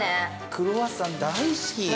◆クロワッサン、大好き。